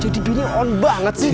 jadi bini on banget sih